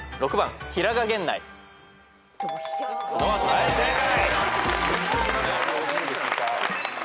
はい正解。